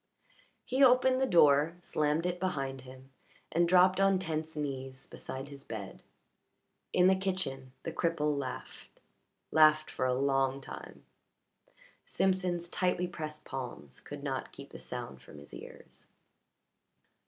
He opened the door, slammed it behind him, and dropped on tense knees beside his bed. In the kitchen the cripple laughed laughed for a long time. Simpson's tightly pressed palms could not keep the sound from his ears.